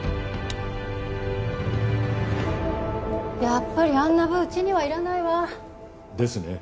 やっぱりあんな部うちにはいらないわ。ですね。